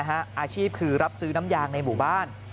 อาชีพคือรับซื้อน้ำยางในหมู่บ้าน